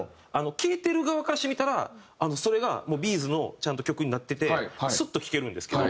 聴いてる側からしてみたらそれがＢ’ｚのちゃんと曲になっててスッと聴けるんですけど。